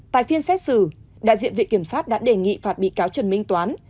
tại phiên xét xử đại diện vị kiểm soát đã đề nghị phạt bị cáo trần minh toán